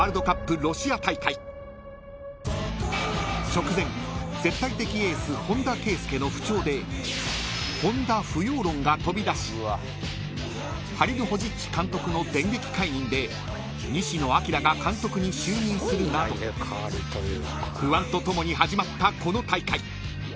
［直前絶対的エース本田圭佑の不調で本田不要論が飛び出しハリルホジッチ監督の電撃解任で西野朗が監督に就任するなど不安と共に始まったこの大会］